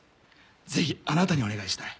ぜひあなたにお願いしたい。